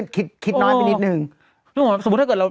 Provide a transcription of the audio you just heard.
คิดน้อยไปนิดนึง